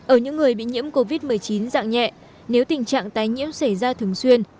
ở những người bị nhiễm covid một mươi chín dạng nhẹ nếu tình trạng tái nhiễm xảy ra thường xuyên